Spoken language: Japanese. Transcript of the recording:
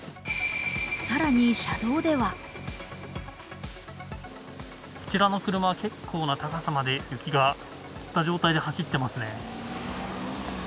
更に車道ではこちらの車、結構な高さまで雪がのった状態で走っています。